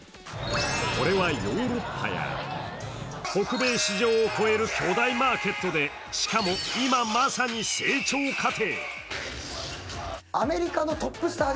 これはヨーロッパや北米市場を超える巨大マーケットでしかも今まさに成長過程。